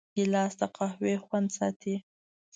ګیلاس د قهوې خوند ساتي.